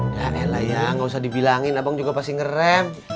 ya rela ya gak usah dibilangin abang juga pasti ngerem